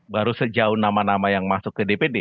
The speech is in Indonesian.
baru sejauh nama nama yang masuk ke dpd